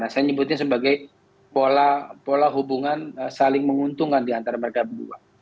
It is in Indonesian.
saya nyebutnya sebagai pola hubungan saling menguntungkan diantara mereka berdua